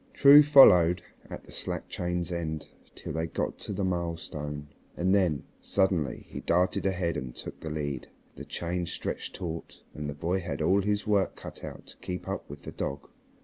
True followed at the slack chain's end till they got to the milestone, and then suddenly he darted ahead and took the lead, the chain stretched taut, and the boy had all his work cut out to keep up with the dog.